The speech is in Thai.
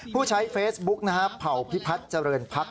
ผู้ใช้เฟซบุ๊กนะฮะเผ่าพิพัฒน์เจริญพัก